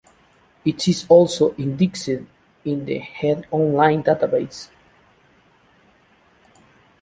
It is also indexed in the HeinOnline database.